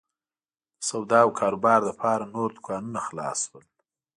د سودا او کاروبار لپاره نور دوکانونه خلاص شول.